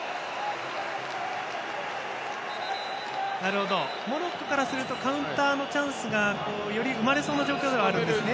なるほどモロッコからするとカウンターのチャンスがより生まれそうな状況ではあるんですね。